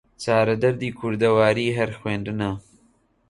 چارە دەردی کوردەواری هەر خوێندنە